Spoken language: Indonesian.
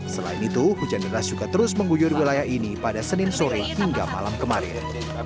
selain itu hujan deras juga terus mengguyur wilayah ini pada senin sore hingga malam kemarin